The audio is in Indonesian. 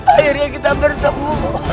akhirnya kita bertemu